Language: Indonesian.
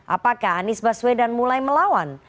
apakah anies baswedan mulai melawan